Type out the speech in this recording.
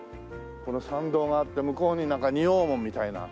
この参道があって向こうになんか仁王門みたいな。